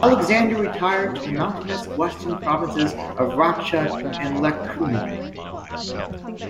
Alexander retired to the mountainous western provinces of Racha and Lechkhumi.